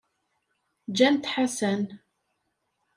Ǧǧant Ḥasan.